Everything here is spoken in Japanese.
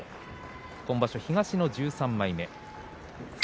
今場所、東の１３枚目です。